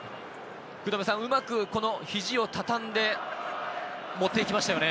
うまくひじをたたんで持っていきましたよね。